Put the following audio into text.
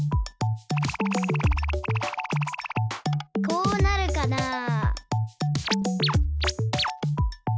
こうなるかなあ。